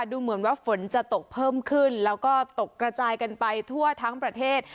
ดูเหมือนว่าฝนจะตกเพิ่มขึ้นแล้วก็ตกกระจายกันไปทั่วทั้งประเทศ